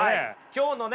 今日のね